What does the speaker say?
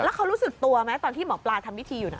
แล้วเขารู้สึกตัวไหมตอนที่หมอปลาทำพิธีอยู่น่ะ